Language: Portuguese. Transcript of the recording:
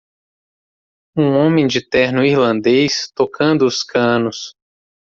Um homem de terno irlandês tocando os canos.